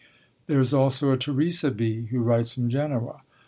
There is also a 'Theresa B.,' who writes from Genoa.